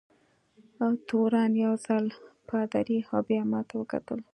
تورن یو ځلي پادري او بیا ما ته وکتل.